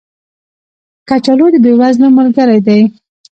کچالو د بې وزلو ملګری دی